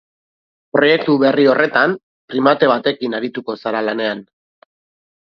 Proiektu berri horretan, primate batekin arituko zara lanean.